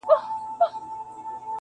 دې سړو وینو ته مي اور ورکړه،